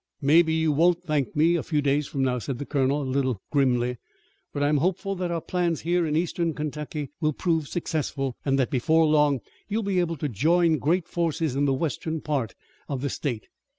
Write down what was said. "Maybe you won't thank me a few days from now," said the colonel a little grimly, "but I am hopeful that our plans here in Eastern Kentucky will prove successful, and that before long you will be able to join the great forces in the western part of the state.